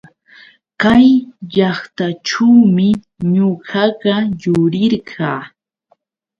Kay llaqtaćhuumi ñuqaqa yurirqaa.